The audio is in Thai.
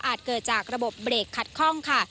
เกิดจากระบบเบรกขัดข้องค่ะ